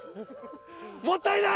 もったいない！